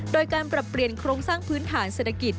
โดยการปรับเปลี่ยนโครงสร้างพื้นฐานเศรษฐกิจ